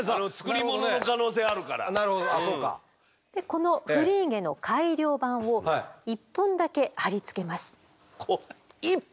このフリーゲの改良版を１本だけ貼り付けます。